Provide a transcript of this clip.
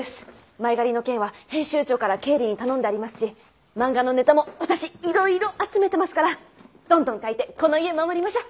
前借りの件は編集長から経理に頼んでありますし漫画のネタも私いろいろ集めてますからどんどん描いてこの家守りましょッ！